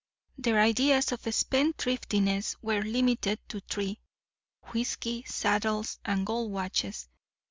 Their ideas of spendthriftiness were limited to three—whisky, saddles, and gold watches.